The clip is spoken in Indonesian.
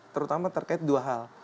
terutama terkait dua hal